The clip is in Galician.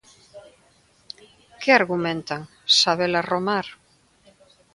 Que argumentan, Sabela Romar?